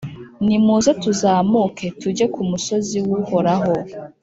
«Nimuze tuzamuke, tujye ku musozi w’Uhoraho,